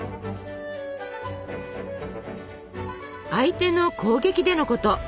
相手の攻撃でのこと。